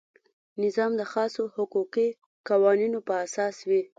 نظام د خاصو حقوقي قوانینو په اساس وي.